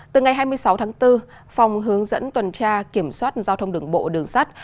từ ngày hai mươi sáu tháng bốn phòng hướng dẫn tuần tra kiểm soát giao thông đường bộ đường sắt